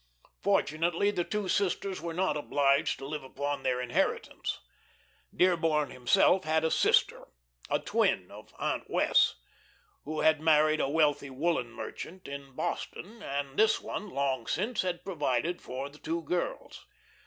Fortunately, the two sisters were not obliged to live upon their inheritance. Dearborn himself had a sister a twin of Aunt Wess' who had married a wealthy woollen merchant of Boston, and this one, long since, had provided for the two girls.